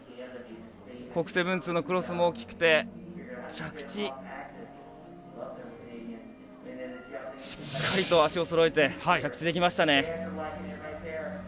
コーク７２０のクロスも大きくてしっかりと足をそろえて着地できましたね。